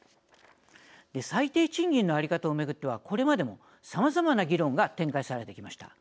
最低賃金の在り方を巡ってはこれまでも、さまざまな議論が展開されてきました。